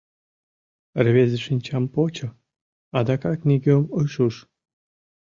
Рвезе шинчам почо — адакат нигӧм ыш уж.